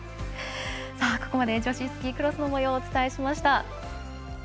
ここまで女子スキークロスのもようをお伝えしました。